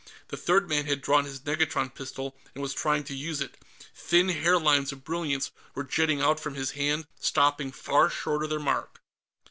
The third man had drawn his negatron pistol and was trying to use it; thin hairlines of brilliance were jetting out from his hand, stopping far short of their mark.